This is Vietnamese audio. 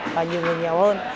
và nhiều người nghèo hơn